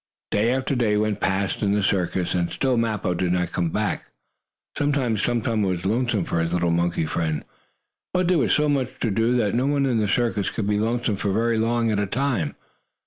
Day after day went past in the circus, and still Mappo did not come back. Sometimes Tum Tum was lonesome for his little monkey friend, but there was so much to do, that no one in a circus could be lonesome for very long at a time.